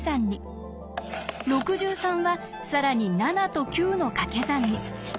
６３は更に７と９のかけ算に。